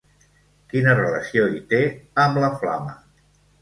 Quina relació hi té amb la flama?